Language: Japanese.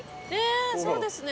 そうですね。